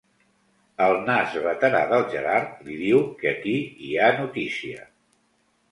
El nas veterà del Gerard li diu que aquí hi ha notícia.